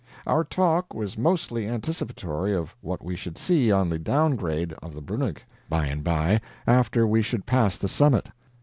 Our talk was mostly anticipatory of what we should see on the down grade of the Bruenig, by and by, after we should pass the summit.